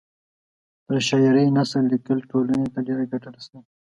تر شاعرۍ نثر لیکل ټولنۍ ته ډېره ګټه رسوي